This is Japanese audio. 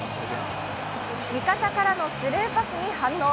味方からのスルーパスに反応。